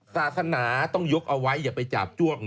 ศาสนาต้องยกเอาไว้อย่าไปจาบจ้วง